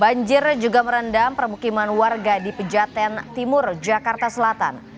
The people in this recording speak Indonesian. banjir juga merendam permukiman warga di pejaten timur jakarta selatan